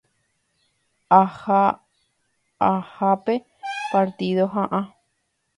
Aha'ãhápe partido ha'a.